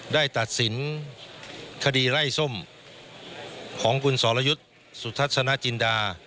ตัดสินคดีไล่ส้มของคุณสรยุทธ์สุทัศนจินดา